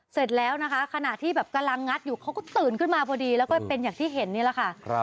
เสร็จแล้วนะคะขณะที่แบบกำลังงัดอยู่เขาก็ตื่นขึ้นมาพอดีแล้วก็เป็นอย่างที่เห็นนี่แหละค่ะ